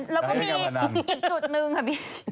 แล้วก็มีอีกจุดหนึ่งค่ะพี่